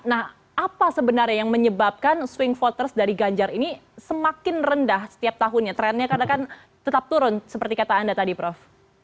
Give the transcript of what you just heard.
nah apa sebenarnya yang menyebabkan swing voters dari ganjar ini semakin rendah setiap tahunnya trennya katakan tetap turun seperti kata anda tadi prof